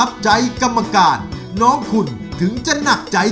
แม่มันเจ็บจากหวย